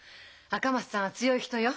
赤松さんは強い人よ。